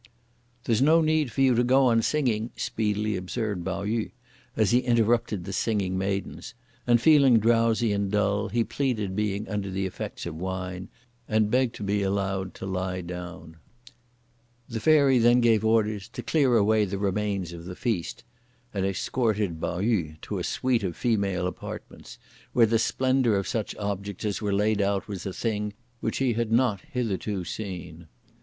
"There's no need for you to go on singing," speedily observed Pao yü, as he interrupted the singing maidens; and feeling drowsy and dull, he pleaded being under the effects of wine, and begged to be allowed to lie down. The Fairy then gave orders to clear away the remains of the feast, and escorted Pao yü to a suite of female apartments, where the splendour of such objects as were laid out was a thing which he had not hitherto seen.